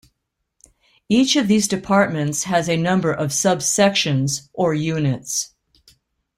Each of these departments has a number of sub-sections or units.